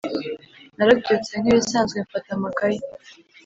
narabyutse nkibisanzwe mfata amakaye